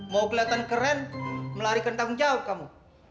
mau kelihatan keren melarikan tanggung jawab kamu